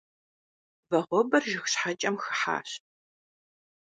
Вагъуэбэр жыг щхьэкӀэм хыхьащ.